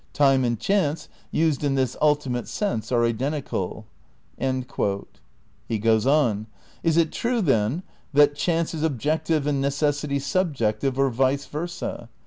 Time and chance, used in this ultimate sense, are identical." He goes on: "Is it true, then, that chance is objective and necessity sub jective or vice versa?